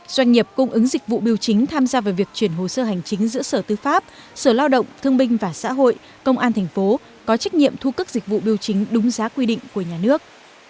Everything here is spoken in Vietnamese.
doanh nghiệp cung ứng dịch vụ biểu chính tham gia vào việc chuyển hồ sơ hành chính giữa sở tư pháp sở lao động thương binh và xã hội công an thành phố có trách nhiệm thu cấp dịch vụ biểu chính đúng giá quy định của nhà nước